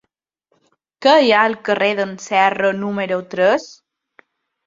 Què hi ha al carrer d'en Serra número tres?